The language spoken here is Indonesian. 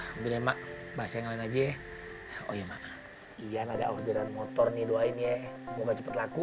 hai brema bahasa yang lain aja ya oh iya iya ada orderan motor nih doain ya semua cepet laku